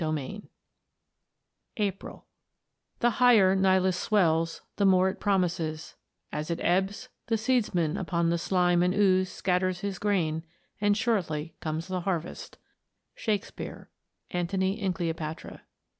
] CHAPTER IV (APRIL) The higher Nilus swells The more it promises; as it ebbs, the seedsman Upon the slime and ooze scatters his grain, And shortly comes the harvest. _Shakespere: "Antony and Cleopatra."